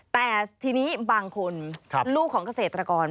แต่ทีนี้บางคนลูกของเกษตรกร